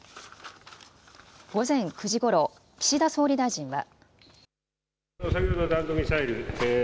午前９時ごろ、岸田総理大臣は。